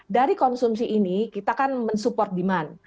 dari konsumsi ini kita kan mensupport demand